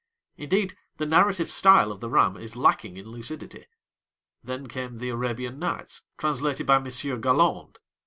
Indeed, the narrative style of the Ram is lacking in lucidity! Then came The Arabian Nights, translated by Monsieur Galland.